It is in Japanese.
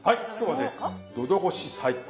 はい今日はね喉越し最高。